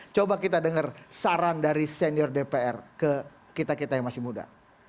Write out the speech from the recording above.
coba kita dengar saran dari senior dpr ke kita kita yang masih muda